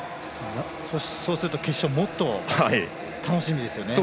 そうすると、決勝はもっと楽しみですよね。